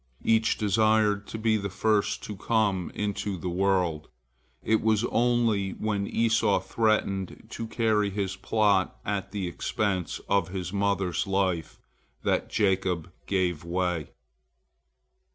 Each desired to be the first to come into the world. It was only when Esau threatened to carry his point at the expense of his mother's life that Jacob gave way.